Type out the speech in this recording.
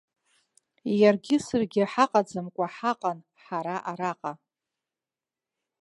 Иаргьы саргьы ҳаҟаӡамкәа ҳаҟан ҳара араҟа.